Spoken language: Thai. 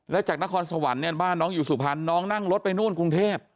แล้วจากนครสวรรค์เนี่ยบ้านน้องอยู่สุพรรณน้องนั่งรถไปนู่นกรุงเทพ